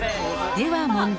では問題。